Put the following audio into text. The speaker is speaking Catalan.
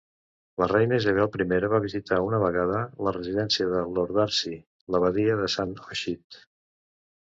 La reina Isabel I va visitar una vegada la residència de Lord Darcy, l'abadia de Saint Osyth.